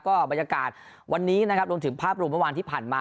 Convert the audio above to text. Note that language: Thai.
ก็บรรยากาศวันนี้นะครับรวมถึงภาพรวมเมื่อวานที่ผ่านมา